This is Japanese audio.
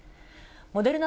モデルナ